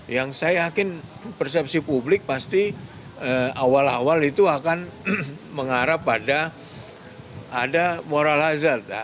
yang saya yakin persepsi publik pasti awal awal itu akan mengarah pada ada moral hazard